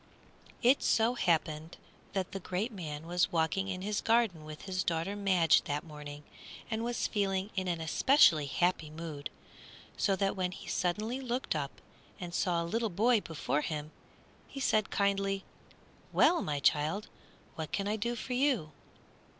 It so happened that the great man was walking in his garden with his daughter Madge that morning, and was feeling in an especially happy mood, so that when he suddenly looked up and saw a little boy before him, he said, kindly, "Well, my child, what can I do for you?"